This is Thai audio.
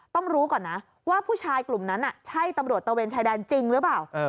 ต้องรู้ก่อนนะว่าผู้ชายกลุ่มนั้นใช่ตำรวจตะเวนชายแดนจริงหรือเปล่า